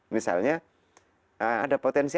misalnya ada potensi